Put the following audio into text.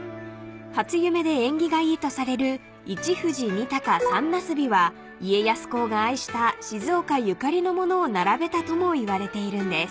［初夢で縁起がいいとされる「一富士二タカ三ナスビ」は家康公が愛した静岡ゆかりのものを並べたともいわれているんです］